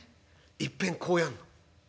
いっぺんこうやんの。